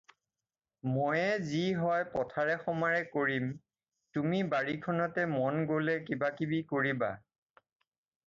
ময়ে যি হয় পথাৰে-সমাৰে কৰিম, তুমি বাৰীখনতে মন গ'লে কিবাকিবি কৰিবা।